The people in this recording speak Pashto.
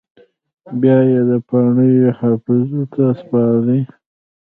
بیا یې د پاڼو حافظو ته سپاري